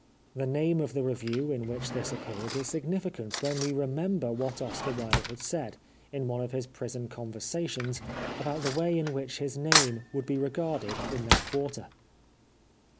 The name of the review in which this appeared is significant, when we remember what Oscar Wilde had said, in one of his prison con versations, about the way in which his name would be regarded in that quarter.